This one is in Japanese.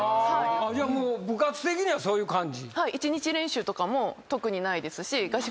じゃあもう部活的にはそういう感じ？